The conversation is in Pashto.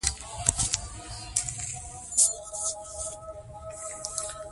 برهمنان او نوکران د موجود جسم له برخو نه جوړ شوي نه دي.